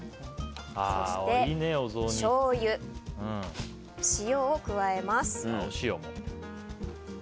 そして、しょうゆ、塩を加えます。